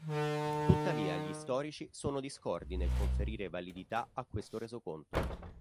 Tuttavia gli storici sono discordi nel conferire validità a questo resoconto.